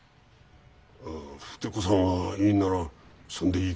筆子さんがいいんならそんでいいけど。